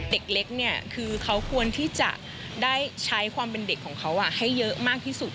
เด็กเล็กเนี่ยคือเขาควรที่จะได้ใช้ความเป็นเด็กของเขาให้เยอะมากที่สุด